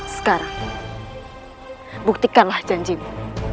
sekarang buktikanlah janjimu